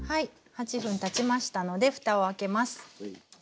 ８分たちましたのでふたを開けます。